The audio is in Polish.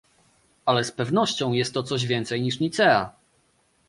Ale z pewnością jest to coś więcej niż Nicea!